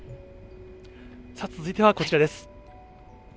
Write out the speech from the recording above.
続いては、こちらです。